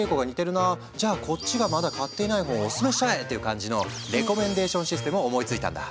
じゃあこっちがまだ買ってない本をオススメしちゃえ！っていう感じのレコメンデーションシステムを思いついたんだ。